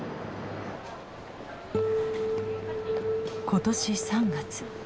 今年３月。